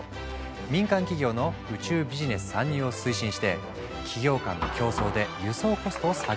民間企業の宇宙ビジネス参入を推進して企業間の競争で輸送コストを下げようとしたんだ。